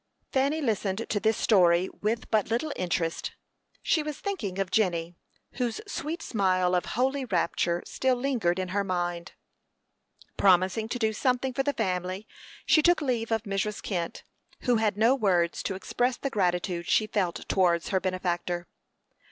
Fanny listened to this story with but little interest. She was thinking of Jenny, whose sweet smile of holy rapture still lingered in her mind. Promising to do something for the family, she took leave of Mrs. Kent, who had no words to express the gratitude she felt towards her benefactor.